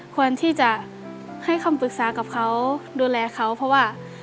ควรที่จะให้คำปรึกษากับเขาดูแลเขาเพราะว่า